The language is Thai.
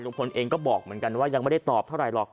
เองก็บอกเหมือนกันว่ายังไม่ได้ตอบเท่าไหรหรอก